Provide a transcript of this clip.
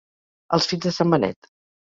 Els fills de sant Benet.